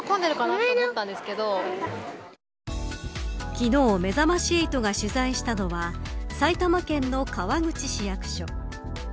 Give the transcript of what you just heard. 昨日めざまし８が取材したのは埼玉県の川口市役所。